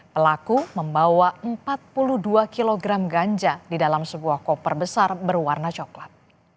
pelaku membawa empat puluh dua kg ganja di dalam sebuah koper besar berwarna coklat